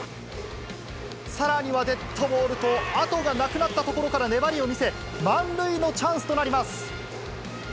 さらにはデッドボールと、後がなくなったところから、粘りを見せ、満塁のチャンスとなります。